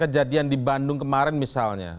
kejadian di bandung kemarin misalnya